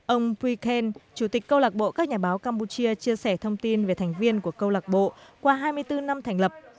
ông pui ken chủ tịch câu lạc bộ các nhà báo campuchia chia sẻ thông tin về thành viên của câu lạc bộ qua hai mươi bốn năm thành lập